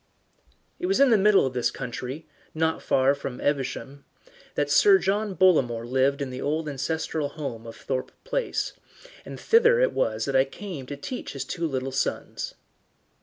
It was in the middle of this country, not very far from Evesham, that Sir John Bollamore lived in the old ancestral home of Thorpe Place, and thither it was that I came to teach his two little sons.